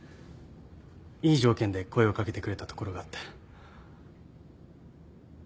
いい条件で声を掛けてくれたところがあって。